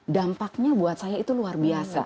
dampaknya buat saya itu luar biasa